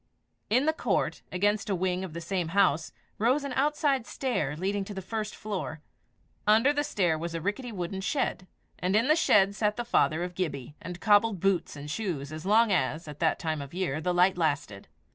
In the court, against a wing of the same house, rose an outside stair, leading to the first floor; under the stair was a rickety wooden shed; and in the shed sat the father of Gibbie, and cobbled boots and shoes as long as, at this time of the year, the light lasted.